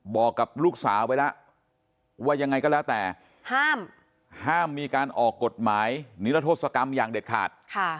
บอกกับลูกสาวไว้แล้วว่ายังไงก็แล้วแต่ห้ามมีการออกกฎหมายนิรโทษกรรมอย่างเด็ดขาด